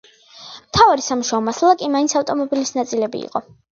მთავარი სამუშაო მასალა კი მაინც ავტომობილის ნაწილები იყო.